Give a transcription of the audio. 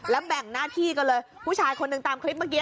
แบ่งหน้าที่กันเลยผู้ชายคนหนึ่งตามคลิปเมื่อกี้